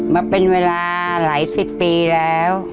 มาเป็นเวลาหลายสิบปีแล้ว